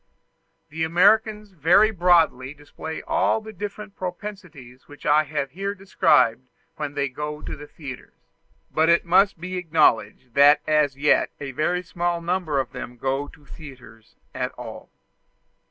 The Americans very broadly display all the different propensities which I have here described when they go to the theatres; but it must be acknowledged that as yet a very small number of them go to theatres at all.